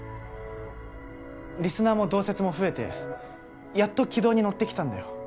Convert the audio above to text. リスナーも同接も増えてやっと軌道に乗ってきたんだよ。